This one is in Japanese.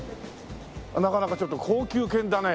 なかなかちょっと高級犬だね。